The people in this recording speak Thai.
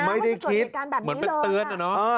ไม่ได้คิดเหมือนเป็นเตือนอะเนาะ